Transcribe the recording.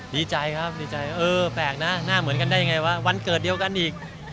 ดีใจครับดีใจเออแปลกนะหน้าเหมือนกันได้ยังไงวะวันเกิดเดียวกันอีก